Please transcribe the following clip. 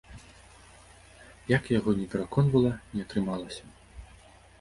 Як я яго не пераконвала, не атрымалася.